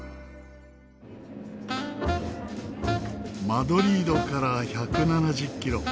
マドリードから１７０キロ。